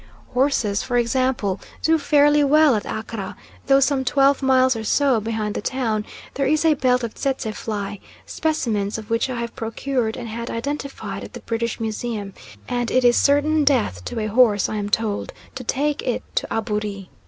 Horses, for example, do fairly well at Accra, though some twelve miles or so behind the town there is a belt of tsetse fly, specimens of which I have procured and had identified at the British Museum, and it is certain death to a horse, I am told, to take it to Aburi.